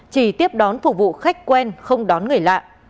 chỉ tiếp đón phục vụ khách quen không đón người lạ